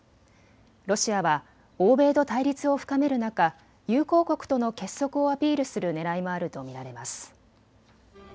ロシアは欧米と対立を深める中、友好国との結束をアピールするねらいもあると見られます。